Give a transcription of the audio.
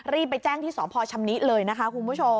รีบไปแจ้งที่สพชำนิเลยนะคะคุณผู้ชม